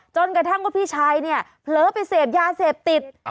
จนกระทั่งว่าพี่ชายเนี่ยเผลอไปเสพยาเสพติด